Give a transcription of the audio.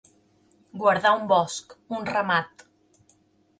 Guardar un bosc, un ramat.